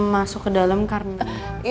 masuk ke dalam karena